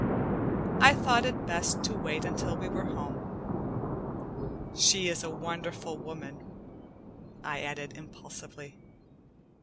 I thought it best to wait until we were home. She is a wonderful woman," I added impulsively.